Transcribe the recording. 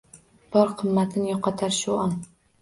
Bor qimmatin yoʼqotar shu on.